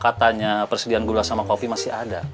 katanya persediaan gula sama kopi masih ada